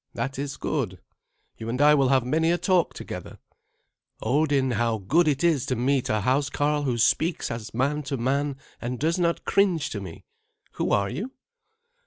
That is good. You and I will have many a talk together. Odin, how good it is to meet a housecarl who speaks as man to man and does not cringe to me! Who are you?"